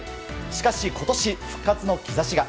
しかし今年、復活の兆しが。